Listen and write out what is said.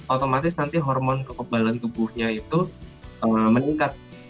otomatis nanti hormon kekebalan tubuhnya itu meningkat